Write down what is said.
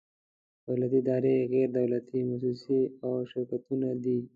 دولتي ادارې، غیر دولتي مؤسسې او شرکتونه دي.